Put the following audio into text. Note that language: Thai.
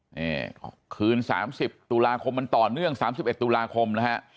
นี่คืน๓๐ตุลาคมมันต่อเนื่อง๓๑ตุลาคมนะฮะ